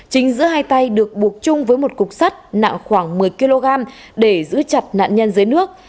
chính giữa hai tay được buộc chung với một cục sắt nặng khoảng một mươi kg để giữ chặt nạn nhân dưới nước